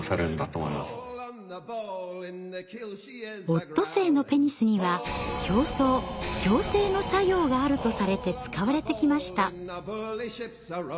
オットセイのペニスには強壮強精の作用があるとされて使われてきました。